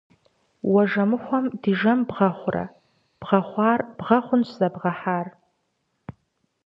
Уэ жэмыхъуэм ди жэм бгъэхъуурэ, бгъэхъуар бгъэ хъунщ зэбгъэхьар!